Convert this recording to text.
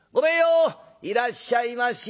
「いらっしゃいまし。